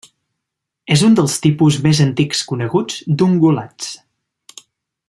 És un dels tipus més antics coneguts d'ungulats.